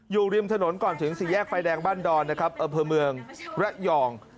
อยู่ริมถนนก่อนถึง๔แยกไฟแดงบ้านดอนอเภอเมืองระหย่อง